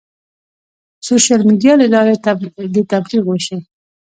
سوشیل میډیا له لارې د تبلیغ وشي.